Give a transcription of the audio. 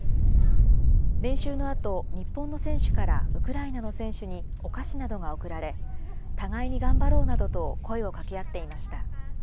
練習のあと、日本の選手からウクライナの選手にお菓子などが贈られ、互いに頑張ろうなどと声をかけ合っていました。